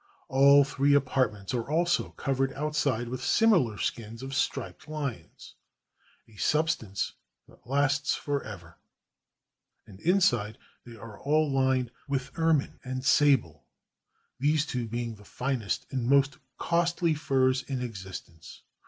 All three apartments are also covered outside with similar skins of striped lions, a substance that lasts forever. And inside they are all lined with ermine and sable, these two being the finest and most costly furs in existence.